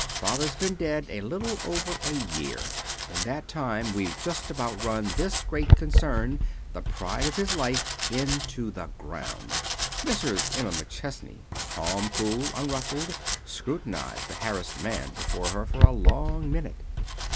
Father's been dead a little over a year. In that time we've just about run this great concern, the pride of his life, into the ground." Mrs. Emma McChesney, calm, cool, unruffled, scrutinized the harassed man before her for a long minute.